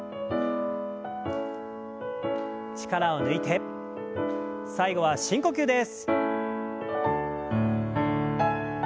力を抜いて最後は深呼吸です。